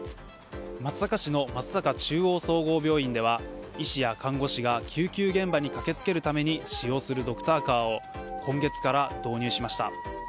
松阪市の松阪中央総合病院では医師や看護師が救急現場に駆けつけるために使用するドクターカーを今月から導入しました。